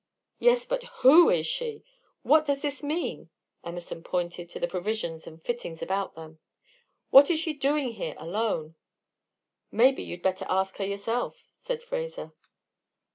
"Yes, but who is she? What does this mean?" Emerson pointed to the provisions and fittings about them. "What is she doing here alone?" "Maybe you'd better ask her yourself," said Fraser.